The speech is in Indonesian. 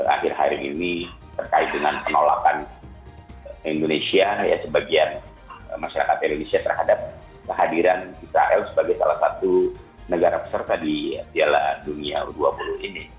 akhir akhir ini terkait dengan penolakan indonesia sebagian masyarakat indonesia terhadap kehadiran israel sebagai salah satu negara peserta di piala dunia u dua puluh ini